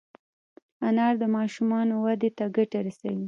انار د ماشومانو وده ته ګټه رسوي.